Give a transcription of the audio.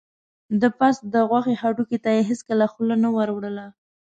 د پس د غوښې هډوکي ته یې هېڅکله خوله نه وروړله.